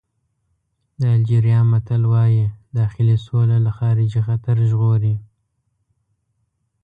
د الجېریا متل وایي داخلي سوله له خارجي خطر ژغوري.